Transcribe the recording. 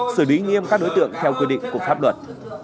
xử lý nghiêm các đối tượng theo quy định của pháp luật